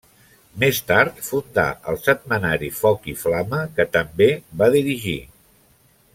Més tard fundà el setmanari Foc i flama, que també va dirigir.